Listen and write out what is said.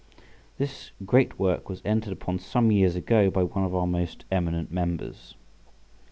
This great work was entered upon some years ago by one of our most eminent members.